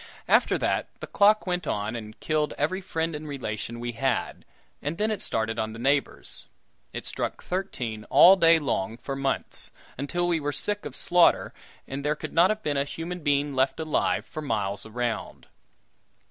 After that the clock went on and killed every friend and relation we had, and then it started on the neighbors. It struck thirteen all day long for months, until we were sick of slaughter, and there could not have been a human being left alive for miles around.